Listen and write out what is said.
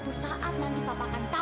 aku harus hampir turmericin diri kita